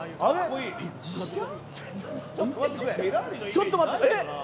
ちょっと待って。